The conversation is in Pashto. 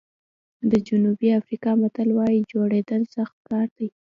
د جنوبي افریقا متل وایي جوړېدل سخت کار دی.